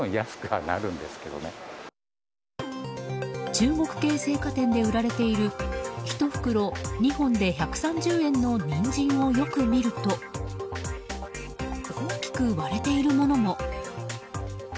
中国系青果店で売られている１袋２本で１３０円のニンジンをよく見ると大きく割れているものも。